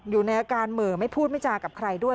อยู่ในอาการเหม่อไม่พูดไม่จากับใครด้วย